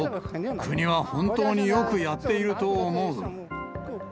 国は本当によくやっていると思う。